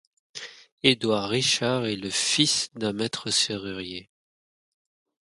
Édouard Richard est le fils d'un maître serrurier.